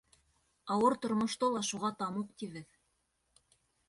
Ауыр тормошто ла шуға тамуҡ тибеҙ.